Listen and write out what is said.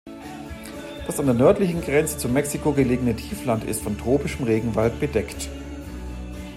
Das an der nördlichen Grenze zu Mexiko gelegene Tiefland ist von tropischem Regenwald bedeckt.